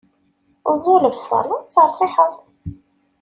Ẓẓu lebṣel, ad tertiḥeḍ.